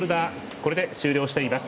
これで終了しています。